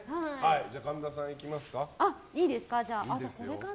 じゃあ、神田さんいきますか。